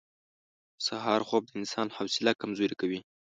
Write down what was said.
• د سهار خوب د انسان حوصله کمزورې کوي.